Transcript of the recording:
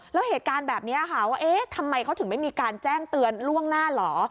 แล้วเหตุการณ์แบบนี้ค่ะว่าเอ๊ะทำไมเขาถึงไม่มีการแจ้งเตือนล่วงหน้าเหรอ